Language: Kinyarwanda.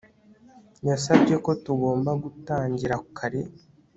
Yasabye ko tugomba gutangira kare